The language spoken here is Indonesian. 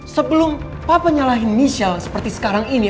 sebelum papa nyalahin michelle seperti sekarang ini